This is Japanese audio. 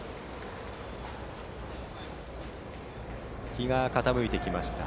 日が傾いてきました。